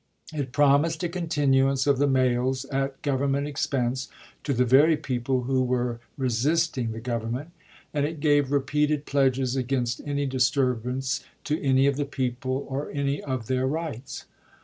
It promised a continuance of the mails at Government expense to the very people who were resisting the Govern ment, and it gave repeated pledges against any disturbance to any of the people or any of their rights.